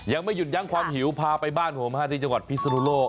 ยังไม่หยุดยั้งความหิวพาไปบ้านผมที่จังหวัดพิศนุโลก